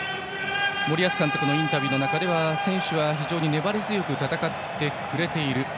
森保監督のインタビューの中では選手は非常に粘り強く戦ってくれている。